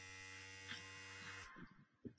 深山毛茛为毛茛科毛茛属下的一个种。